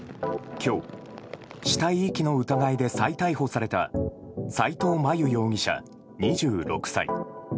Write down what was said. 今日、死体遺棄の疑いで再逮捕された斎藤真悠容疑者、２６歳。